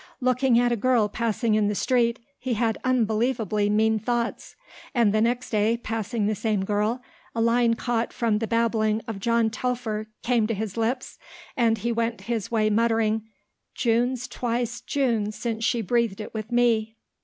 Looking at a girl passing in the street, he had unbelievably mean thoughts; and the next day, passing the same girl, a line caught from the babbling of John Telfer came to his lips and he went his way muttering, "June's twice June since she breathed it with me."